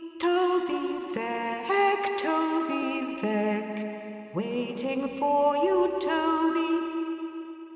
Toby Veck, Toby Veck, waiting for you Toby!